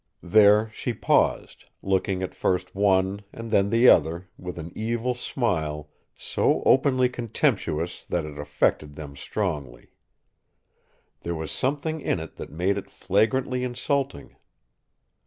There she paused, looking at first one and then the other with an evil smile so openly contemptuous that it affected them strongly. There was something in it that made it flagrantly insulting.